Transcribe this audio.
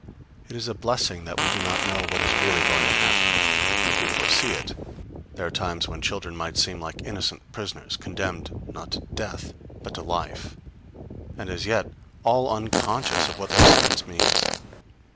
It is a blessing that we do not know what is really going to happen. Could we foresee it, there are times when children might seem like innocent prisoners, condemned, not to death, but to life, and as yet all unconscious of what their sentence means.